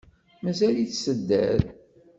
Mazal-itt tedder.